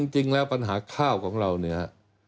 จริงแล้วปัญหาข้าวของเราเนี่ย